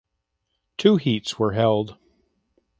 Two heats were held.